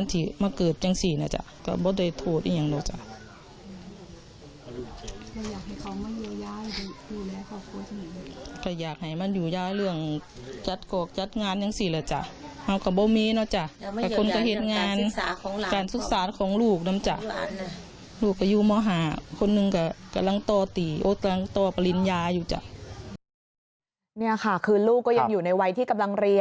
นี่ค่ะคือลูกก็ยังอยู่ในวัยที่กำลังเรียน